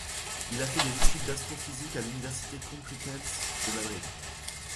Il a fait des études d'astrophysique à l'Université Complutense de Madrid.